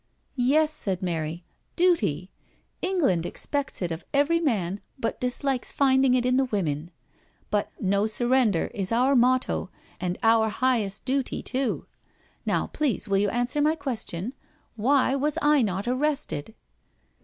"Yes," said Mary, "duty I England expects it of every man, but dislikes finding it in the women. But ' no surrender ' is our motto, and our highest duty too. Now please will you answer my question— why was I not arrested?"